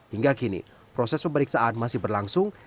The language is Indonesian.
hingga kini proses pemeriksaan masih berlangsung